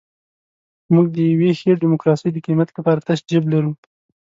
موږ د یوې ښې ډیموکراسۍ د قیمت لپاره تش جیب لرو.